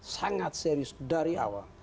sangat serius dari awal